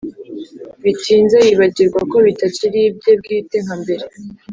bitinze yibagirwa ko bitakiri ibye bwite nka mbere,